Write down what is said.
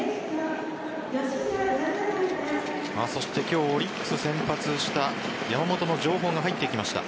そして今日オリックス先発した山本の情報が入ってきました。